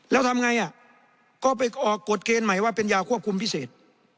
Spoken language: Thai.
แล้วทำไงก็ไปออกกฎเกณฑ์ใหม่ว่าเป็นยาควบคุมพิเศษ